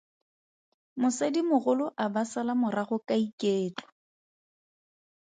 Mosadimogolo a ba sala morago ka iketlo.